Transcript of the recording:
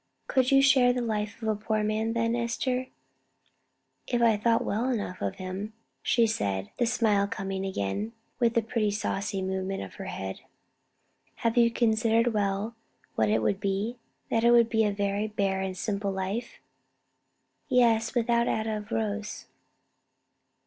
"Could you share the life of a poor man, then, Esther?" "If I thought well enough of him," she said, the smile coming again, with the pretty saucy movement of her head. "Have you considered well what it would be? that it would be a very bare and simple life?" "Yes without atta of rose."